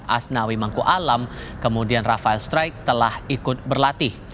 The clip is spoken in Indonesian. asnawi mangku alam kemudian rafael strike telah ikut berlatih